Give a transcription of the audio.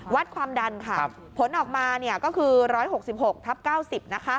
วัดความดันค่ะผลออกมาก็คือ๑๖๖ทับ๙๐นะคะ